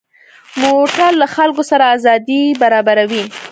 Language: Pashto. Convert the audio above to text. موټر له خلکو سره ازادي برابروي.